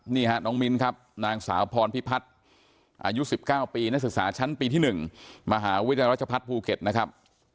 นี่ฮะน้องมิ้นครับนางสาวพรพิพัฒน์อายุ๑๙ปีนักศึกษาชั้นปีที่๑มหาวิทยาลัยราชพัฒน์ภูเก็ตนะครับ